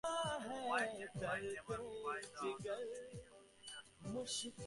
Worried that she might never find the Others, she begins to prepare for winter.